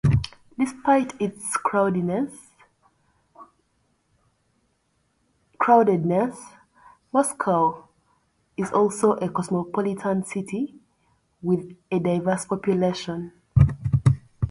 Despite its crowdedness, Moscow is also a cosmopolitan city with a diverse population.